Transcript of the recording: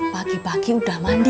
pagi pagi udah mandi